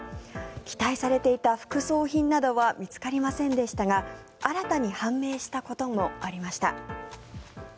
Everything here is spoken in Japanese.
期待されていた副葬品などは見つかりませんでしたが新たに判明したこともありました。